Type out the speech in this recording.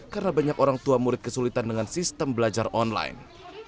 karena banyak orang tua murid kesulitan dengan sistem belajar online